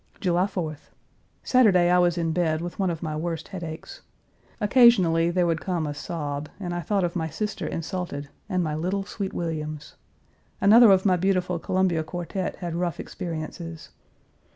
July 4th. Saturday I was in bed with one of my worst headaches. Occasionally there would come a sob and I thought of my sister insulted and my little sweet Williams. Another of my beautiful Columbia quartette had rough experiences.